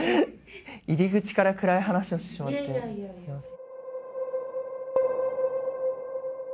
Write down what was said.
入り口から暗い話をしてしまってすみません。